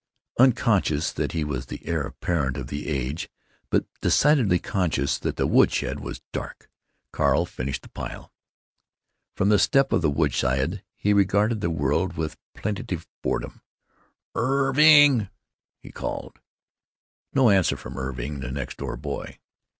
Unconscious that he was the heir apparent of the age, but decidedly conscious that the woodshed was dark, Carl finished the pile. From the step of the woodshed he regarded the world with plaintive boredom. "Ir r r r rving!" he called. No answer from Irving, the next door boy.